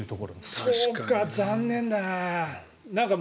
そうか、残念だな。